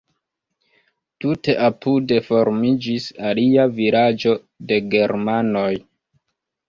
Tute apude formiĝis alia vilaĝo de germanoj.